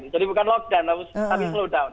jadi bukan lockdown tapi slow down